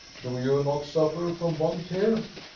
Do you not suffer from want here?"